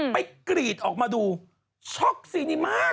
กรีดออกมาดูช็อกซีนิม่า